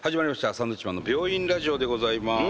サンドウィッチマンの「病院ラジオ」でございます。